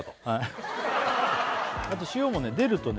あと塩もね出るとね